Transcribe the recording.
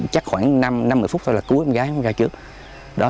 chắc khoảng năm một mươi phút thôi là cứu em gái em ra trước